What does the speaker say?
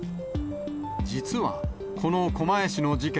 実は、この狛江市の事件。